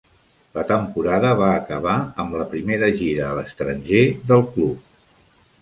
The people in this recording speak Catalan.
La temporada va acabar amb la primera gira a l'estranger del club.